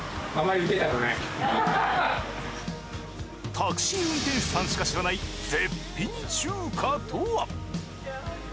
タクシー運転手さんしか知らない絶品中華とは？